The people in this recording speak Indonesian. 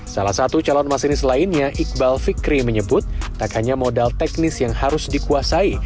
salah satu calon masinis lainnya iqbal fikri menyebut tak hanya modal teknis yang harus dikuasai